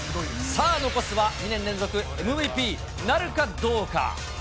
さあ、残すは２年連続ＭＶＰなるかどうか。